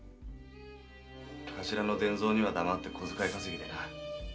頭の伝蔵には黙って小遣い稼ぎでな。